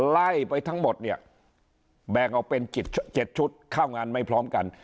ไล่ไปทั้งหมดเนี่ยแบ่งออกเป็น๗ชุดเข้างานไม่พร้อมกัน